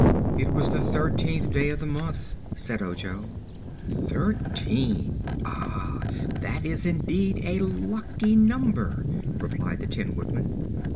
"It was the thirteenth day of the month," said Ojo. "Thirteen! Ah, that is indeed a lucky number," replied the Tin Woodman.